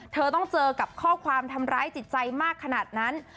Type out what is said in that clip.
เธอต้องเจอกับข้อความทำร้ายจิตใจมากขนาดนั้น